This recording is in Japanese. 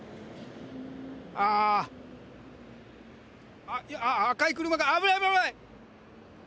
ああ、あっ、赤い車が、危ない、危ない。